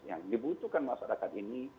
yang dibutuhkan masyarakat ini